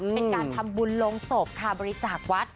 เป็นการทำบุญลงศพค่ะบริจาควัด